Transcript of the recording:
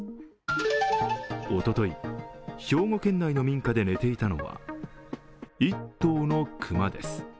おととい、兵庫県内の民家で寝ていたのは１頭の熊です。